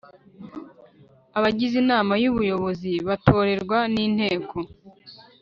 Abagize inama y ubuyobozi batorerwa n inteko